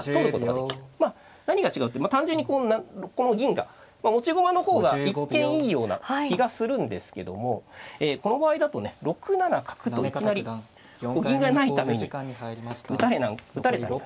まあ何が違うって単純にこの銀が持ち駒の方が一見いいような気がするんですけどもこの場合だとね６七角といきなり銀がないために打たれたり。